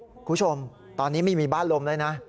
คุณผู้ชมตอนนี้ไม่มีบ้านลมแล้วนะ